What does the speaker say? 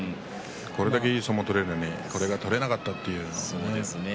それだけいい相撲が取れるのにこれが取れなかったというんですからね。